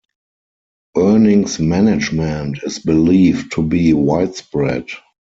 Earnings management is believed to be widespread.